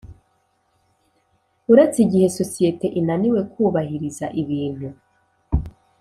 Uretse igihe sosiyete inaniwe kubahiriza ibintu